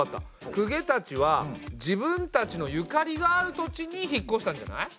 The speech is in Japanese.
公家たちは自分たちのゆかりがある土地に引っこしたんじゃない？